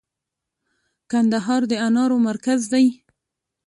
کندهار د انارو مرکز دی